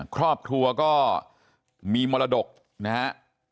ครอบครัวก็มีมรดกนะฮะ